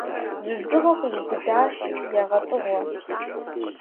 Зы дзыгъуэ къиубыдащи, егъэтӀыгъуэ.